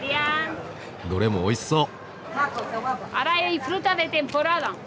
どれもおいしそう。